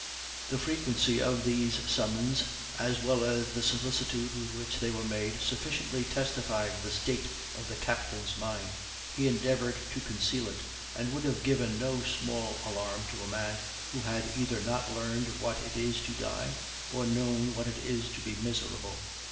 The frequency of these summons, as well as the solicitude with which they were made, sufficiently testified the state of the captain's mind; he endeavored to conceal it, and would have given no small alarm to a man who had either not learned what it is to die, or known what it is to be miserable.